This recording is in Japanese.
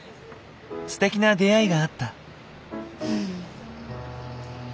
ステキな出会いがあった。